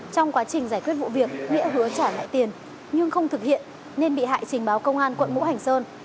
trong quá trình giải quyết vụ việc nghĩa hứa trả lại tiền nhưng không thực hiện nên bị hại trình báo công an quận ngũ hành sơn